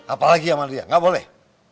apa lagi sama dia gak boleh